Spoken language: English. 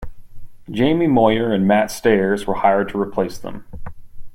Jamie Moyer and Matt Stairs were hired to replace them.